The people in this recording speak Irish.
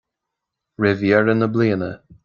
Roimh dheireadh na bliana.